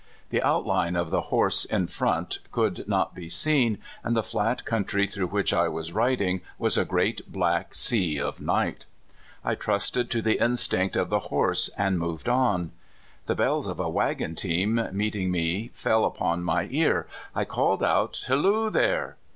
The outline of the horse in front could not be seen, and the flat country through which I was driving was a great black sea of night. I trusted to the instinct of the horse, and moved on. The bells of a wa^on team meeting me fell upon my ear. I called out: " Halloo there!